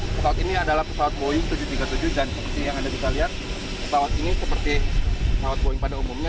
pesawat ini adalah pesawat boeing tujuh ratus tiga puluh tujuh dan seperti yang anda bisa lihat pesawat ini seperti pesawat boeing pada umumnya